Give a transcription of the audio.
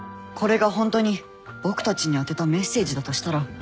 これがホントに僕たちに宛てたメッセージだとしたら。